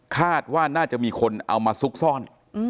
คาดว่าน่าจะมีคนเอามาซุกซ่อน